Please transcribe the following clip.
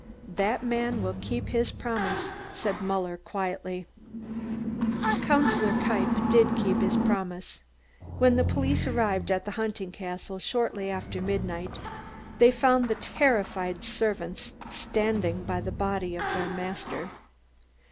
"That man will keep his promise," said Muller quietly. Councillor Kniepp did keep his promise. When the police arrived at the hunting castle shortly after midnight, they found the terrified servants standing by the body of their master.